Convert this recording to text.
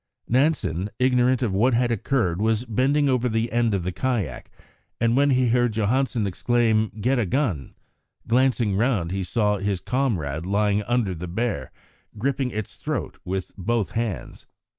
Nansen, ignorant of what had occurred, was bending over his end of the kayak, when he heard Johansen exclaim, "Get a gun." Glancing round, he saw his comrade lying under the bear, gripping its throat with both hands.